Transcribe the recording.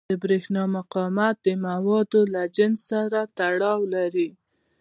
د برېښنا مقاومت د موادو له جنس سره تړاو لري.